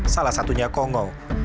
salah satunya kongo